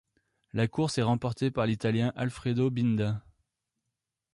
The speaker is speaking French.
La course est remportée par l'Italien Alfredo Binda.